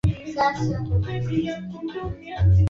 za Tunisia Algeria na Moroko zilikuwa chini ya utawala